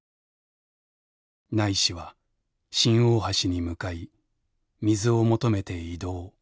ないしは新大橋に向かい水を求めて移動。